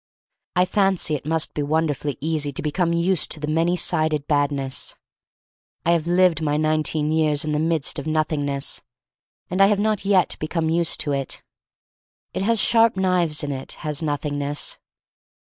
I fancy it must be wonderfully easy to become used to the many sided Bad ness. I have lived my nineteen years in the^midst of Nothingness, and I have not yet become used to it. It has sharp knives in it, has Nothingness.